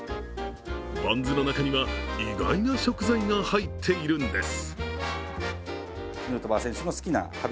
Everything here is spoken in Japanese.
バンズの中には意外な食材が入っているんです。